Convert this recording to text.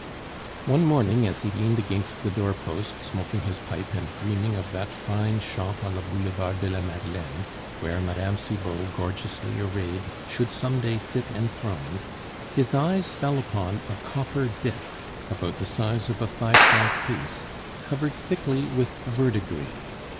One morning as he leaned against the door post, smoking his pipe and dreaming of that fine shop on the Boulevard de la Madeleine where Mme. Cibot, gorgeously arrayed, should some day sit enthroned, his eyes fell upon a copper disc, about the size of a five franc piece, covered thickly with verdigris.